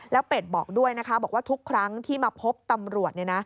แล้วเป็ดบอกด้วยนะคะบอกว่าทุกครั้งที่มาพบตำรวจ